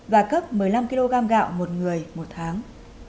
và cấp một mươi năm kg gạo một người một tháng